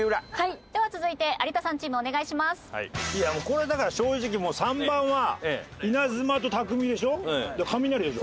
いやもうこれはだから正直３番は「稲妻」と「匠」でしょ？